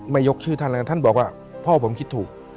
ยกชื่อท่านแล้วท่านบอกว่าพ่อผมคิดถูก